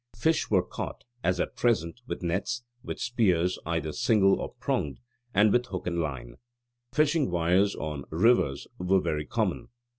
Fish were caught, as at present, with nets, with spears either single or pronged, and with hook and line. Fishing weirs on rivers were very common.